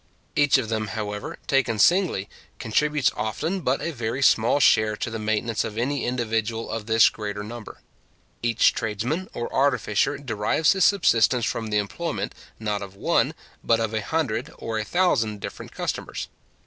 Each of them, however, taken singly, contributes often but a very small share to the maintenance of any individual of this greater number. Each tradesman or artificer derives his subsistence from the employment, not of one, but of a hundred or a thousand different customers.